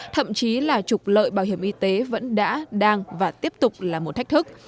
thậm chí là trục lợi bảo hiểm y tế vẫn đã đang và tiếp tục là một thách thức